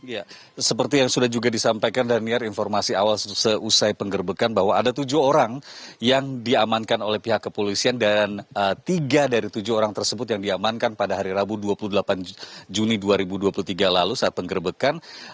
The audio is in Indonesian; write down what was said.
ya seperti yang sudah juga disampaikan daniar informasi awal seusai penggerbekan bahwa ada tujuh orang yang diamankan oleh pihak kepolisian dan tiga dari tujuh orang tersebut yang diamankan pada hari rabu dua puluh delapan juni dua ribu dua puluh tiga lalu saat penggerbekan